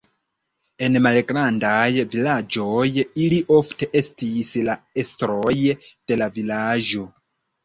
En malgrandaj vilaĝoj ili ofte estis la estroj de la vilaĝo.